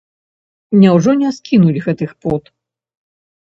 Няўжо не скінуць гэтых пут?